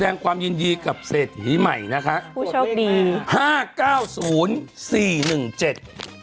แสดงความยินดีกับเศรษฐีใหม่นะคะผู้โชคดีห้าเก้าศูนย์สี่หนึ่งเจ็ด